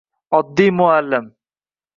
Oddiy muallim!